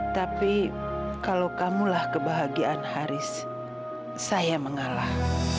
tapi kalau kamulah kebahagiaan haris saya mengalah